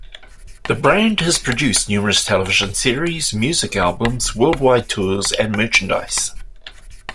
The brand has produced numerous television series, music albums, worldwide tours and merchandise.